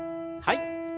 はい。